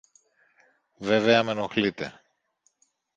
Βέβαια μ' ενοχλείτε!